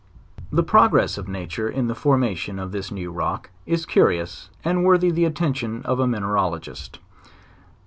The progress of nature in. the formation of this new rock is cu rious, and worthy the attention of the mineralogist.